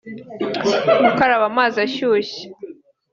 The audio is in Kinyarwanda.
gukaraba amazi ashyushye